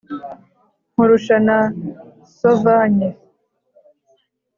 Nkurusha na Sovanye,